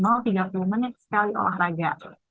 raju olahraga itu minimal tiga puluh menit sekali olahraga